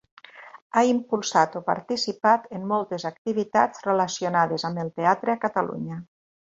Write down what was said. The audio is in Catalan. Ha impulsat o participat en moltes activitats relacionades amb el teatre a Catalunya.